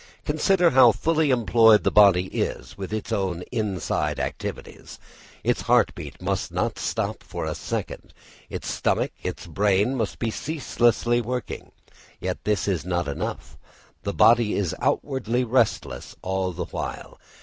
Consider how fully employed the body is with its own inside activities; its heart beat must not stop for a second, its stomach, its brain, must be ceaselessly working. Yet this is not enough; the body is outwardly restless all the while.